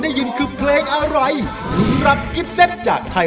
มีความในใจอยากบอกพี่